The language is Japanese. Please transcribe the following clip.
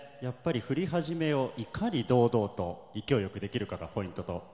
振り始めをいかに堂々と勢い良くできるかがポイントです。